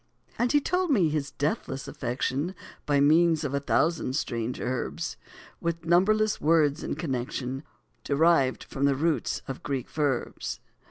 And he told me his deathless affection, By means of a thousand strange herbs, With numberless words in connection, Derived from the roots of Greek verbs.